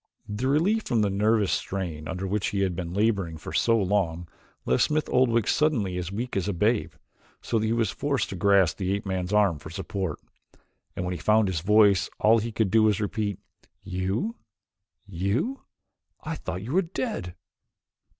The relief from the nervous strain under which he had been laboring for so long, left Smith Oldwick suddenly as weak as a babe, so that he was forced to grasp the ape man's arm for support and when he found his voice all he could do was to repeat: "You? You? I thought you were dead!"